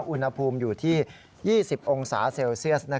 อุณหภูมิอยู่ที่๒๐องศาเซลเซียส